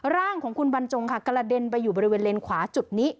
ร่างของคุณบรรจงค่ะกระเด็นไปอยู่บริเวณเลนขวาจุดนี้